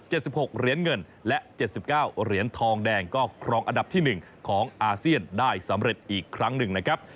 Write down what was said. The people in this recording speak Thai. สิบหกเหรียญเงินและเจ็ดสิบเก้าเหรียญทองแดงก็ครองอันดับที่หนึ่งของอาเซียนได้สำเร็จอีกครั้งหนึ่งนะครับ